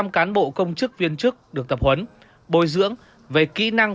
năm mươi cán bộ công chức viên chức được tập huấn bồi dưỡng về kỹ năng